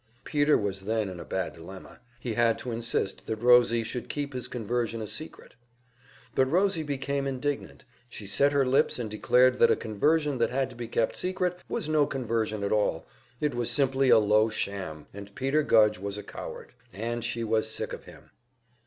Peter was then in a bad dilemma; he had to insist that Rosie should keep his conversion a secret. But Rosie became indignant, she set her lips and declared that a conversion that had to be kept secret was no conversion at all, it was simply a low sham, and Peter Gudge was a coward, and she was sick of him!